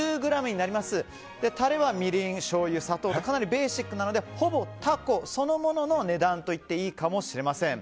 タレはみりん、しょうゆ、砂糖とかなりベーシックなのでほぼタコそのものの値段と言っていいかもしれません。